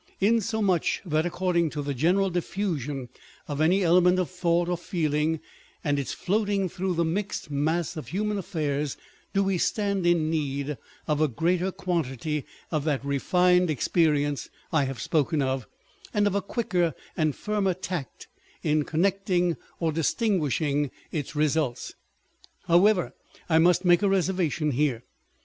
Insomuch that according to the general diffusion of any element of thought or feeling, and its floating through the mixed mass of human affairs, do we stand in need of a greater quantity of that refined expe rience I have spoken of, and of a quicker and firmer tact in connecting or distinguishing its results. However, I must make a reservation here.